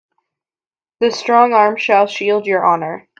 This strong arm shall shield your honor.